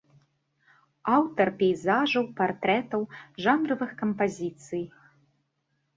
Аўтар пейзажаў, партрэтаў, жанравых кампазіцый.